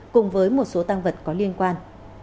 cùng với một số tăng vật có liên quan